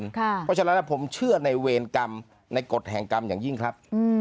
เพราะฉะนั้นผมเชื่อในเวรกรรมในกฎแห่งกรรมอย่างยิ่งครับ